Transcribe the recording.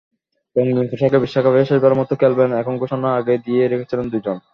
রঙিন পোশাকে বিশ্বকাপেই শেষবারের মতো খেলবেন—এমন ঘোষণা আগেই দিয়ে রেখেছিলেন দুজন।